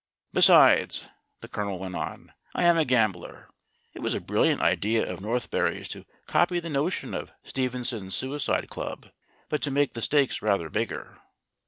"Besides," the Colonel went on, "I am a gambler. It was a brilliant idea of Northberry's to copy the notion of Stevenson's Suicide Club, but to make the stakes rather bigger."